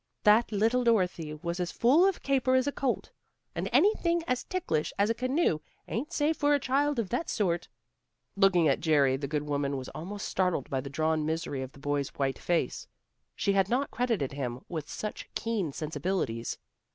"That little Dorothy was as full of caper as a colt, and anything as ticklish as a canoe ain't safe for a child of that sort." Looking at Jerry, the good woman was almost startled by the drawn misery of the boy's white face. She had not credited him with such keen sensibilities.